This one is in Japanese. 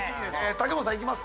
武元さんいきます？